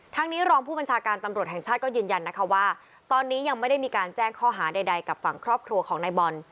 นี้รองผู้บัญชาการตำรวจแห่งชาติก็ยืนยันนะคะว่าตอนนี้ยังไม่ได้มีการแจ้งข้อหาใดกับฝั่งครอบครัวของนายบอล